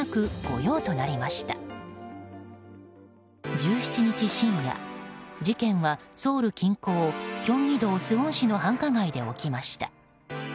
１７日深夜、事件はソウル近郊キョンギ道スウォン市の繁華街で起きました。